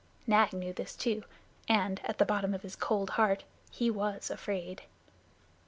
Nag knew that too and, at the bottom of his cold heart, he was afraid.